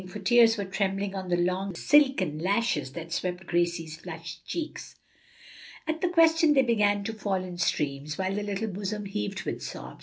for tears were trembling on the long silken lashes that swept Gracie's flushed cheeks. At the question they began to fall in streams, while the little bosom heaved with sobs.